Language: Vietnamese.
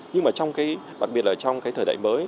nhưng mà trong cái đặc biệt là trong cái thời đại mới